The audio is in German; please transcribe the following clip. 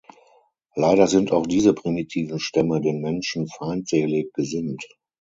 Leider sind auch diese primitiven Stämme den Menschen feindselig gesinnt.